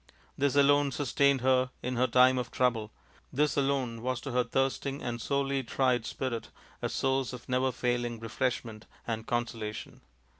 This alone sustained her in her time of trouble, this alone was to her thirsting and sorely tried spirit a source of never failing refreshment and consolation.